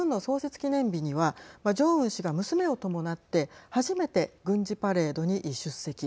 記念日にはジョンウン氏が娘を伴って初めて軍事パレードに出席。